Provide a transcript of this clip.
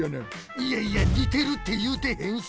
いやいやにてるっていうてへんし！